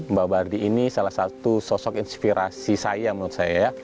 mba bardi ini salah satu sosok inspirasi saya menurut saya